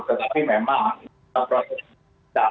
tetapi memang kita proses digital